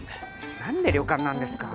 なんで旅館なんですか？